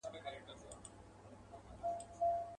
په قسمت مي وصال نه وو رسېدلی.